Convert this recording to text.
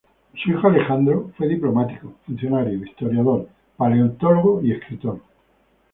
Su hijo Alejandro fue diplomático, funcionario, historiador, paleontólogo y escritor.